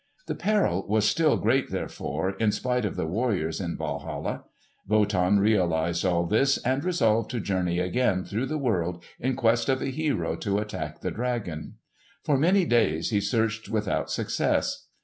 The peril was still great therefore, in spite of the warriors in Walhalla. Wotan realised all this and resolved to journey again through the world in quest of a hero to attack the dragon. For many days he searched without success.